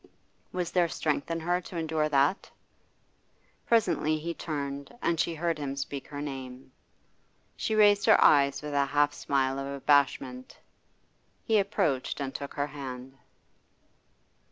Was there strength in her to endure that? Presently he turned, and she heard him speak her name. She raised her eyes with a half smile of abashment. He approached and took her hand.